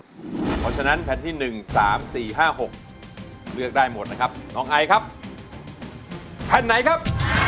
เพราะฉะนั้นแผ่นที่๑๓๔๕๖เลือกได้หมดนะครับน้องไอครับแผ่นไหนครับ